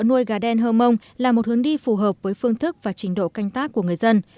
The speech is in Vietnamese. nuôi gà đen hơ mông là một hướng đi phù hợp với phương thức và trình độ canh tác của người dân